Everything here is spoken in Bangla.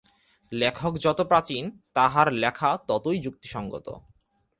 লেখক যত প্রাচীন, তাঁহার লেখা ততই যুক্তিসঙ্গত।